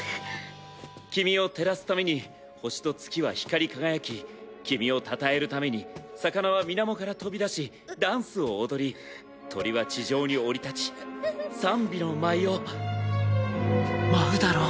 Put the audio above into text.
君を照らすために星と月は光り輝き君をたたえるために魚は水面から飛び出しダンスを踊り鳥は地上に降り立ち賛美の舞を舞うだろう。